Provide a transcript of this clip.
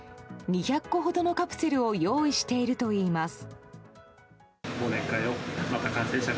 ２００個ほどのカプセルを用意しているといいます。